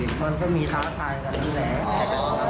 มันก็มีราชาภายกันคือแหละ